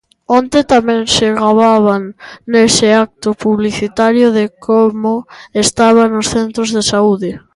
Onte tamén se gababan nese acto publicitario de como estaban os centros de saúde.